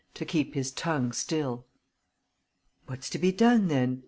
to keep his tongue still." "What's to be done, then?"